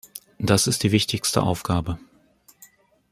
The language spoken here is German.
Das ist die wichtigste Aufgabe.